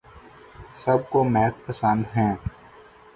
سب کو میک پسند ہیں